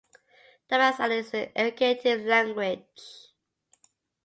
Tabasaran is an ergative language.